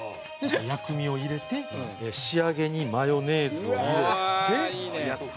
薬味を入れて仕上げにマヨネーズを入れて。